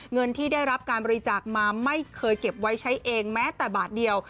เงินที่ได้รับการบริจาคมาไม่เคยเก็บไว้ใช้เองแม้แต่บาทเดียว